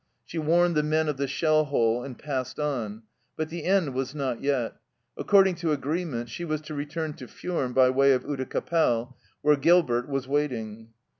She warned the men of the shell hole and passed on. But the end was not yet. According to agreement, she was to return to Furnes by way of Oudecappelle, where Gilbert was waiting.